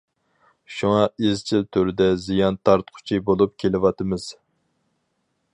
شۇڭا ئىزچىل تۈردە زىيان تارتقۇچى بولۇپ كېلىۋاتىمىز.